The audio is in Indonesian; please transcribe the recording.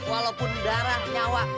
walaupun darah nyawa